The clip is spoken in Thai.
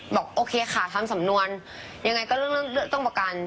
บอกโอเคค่ะทำสำนวนยังไงก็เรื่องต้องประกัน